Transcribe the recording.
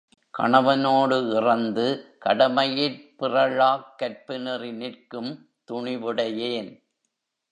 கணவனோடு இறந்து கடமையிற் பிறழாக் கற்புநெறி நிற்கும் துணிவுடையேன்.